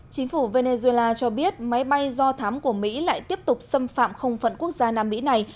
chính phủ venezuela cho biết máy bay do thám của mỹ lại tiếp tục xâm phạm không phận quốc gia nam mỹ này